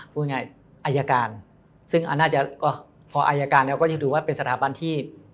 พูดง่ายอายการซึ่งอันน่าจะพออายการแล้วก็จะดูว่าเป็นสถาบันที่